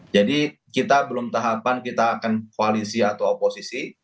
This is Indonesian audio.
jadi kita belum tahapan kita akan koalisi atau oposisi